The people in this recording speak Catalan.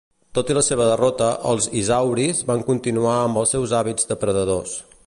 Tot i la seva derrota els isauris van continuar amb els seus hàbits depredadors.